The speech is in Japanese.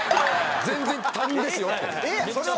全然他人ですよっていう。